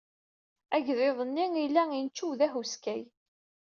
Agḍiḍ-nni ila incew d ahuskay.